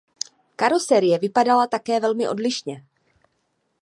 Karoserie vypadala také velmi odlišně.